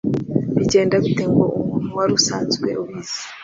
Bigenda bite ngo umuntu wari usanzwe ubizi